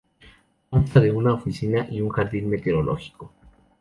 Consta de una oficina y un jardín meteorológico.